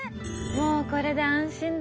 もうこれで安心だね。